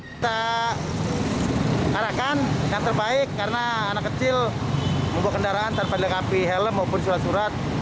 kita arahkan yang terbaik karena anak kecil membawa kendaraan tanpa dilengkapi helm maupun surat surat